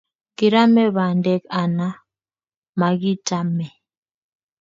Kirame pandek ana makitame